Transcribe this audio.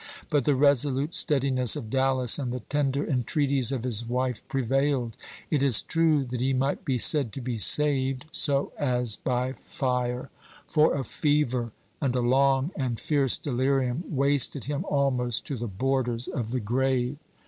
But the resolute steadiness of Dallas and the tender entreaties of his wife prevailed. It is true that he might be said to be saved "so as by fire;" for a fever, and a long and fierce delirium, wasted him almost to the borders of the grave.